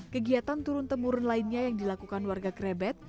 kegiatan turun temurun lainnya yang dilakukan warga krebet